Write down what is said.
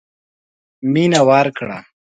مينه ورکړه.